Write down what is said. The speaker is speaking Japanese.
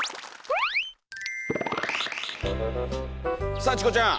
さあチコちゃん。